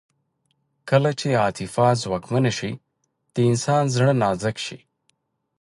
کله چې عاطفه ځواکمنه شي د انسان زړه نازک شي